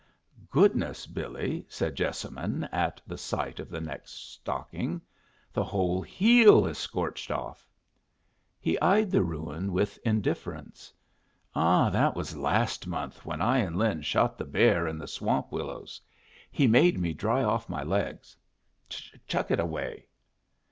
"Goodness, Billy!" said Jessamine, at the sight of the next stocking. "The whole heel is scorched off." He eyed the ruin with indifference. "Ah, that was last month when I and Lin shot the bear in the swamp willows. He made me dry off my legs. Chuck it away."